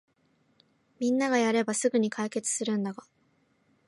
みんながやればすぐに解決するんだが